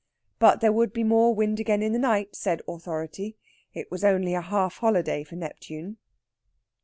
But there would be more wind again in the night, said authority. It was only a half holiday for Neptune.